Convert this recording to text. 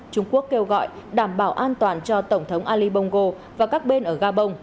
trung quốc kêu gọi đảm bảo an toàn cho tổng thống ali bongo và các bên ở gabon